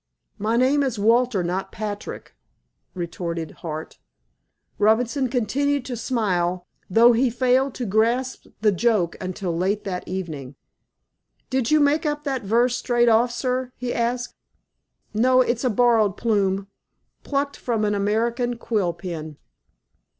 "My name is Walter, not Patrick," retorted Hart. Robinson continued to smile, though he failed to grasp the joke until late that evening. "Did you make up that verse straight off, sir," he asked. "No. It's a borrowed plume, plucked from an American quill pen."